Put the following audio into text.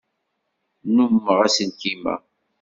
Nnummeɣ aselkim-a.